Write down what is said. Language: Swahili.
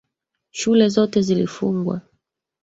Shule zote zilifungwa.